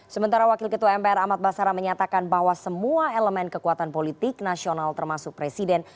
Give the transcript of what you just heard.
sementara wakil ketua mpr ahmad basara menyatakan bahwa semua elemen kekuatan politik nasional termasuk presiden